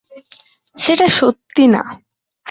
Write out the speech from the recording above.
সেটা সত্যি না।